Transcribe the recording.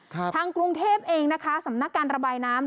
ทางกรุงเทพเองนะคะสำนักการระบายน้ำ